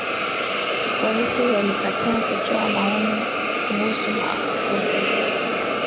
Polisi walikataa kutoa maoni kuhusu marufuku